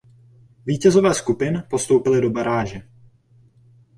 Vítězové skupin postoupili do baráže.